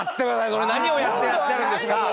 それ何をやってらっしゃるんですか？